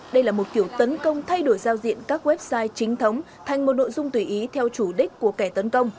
đây là một kiểu tấn công thay đổi giao diện các website chính thống thành một nội dung tùy ý theo chủ đích của kẻ tấn công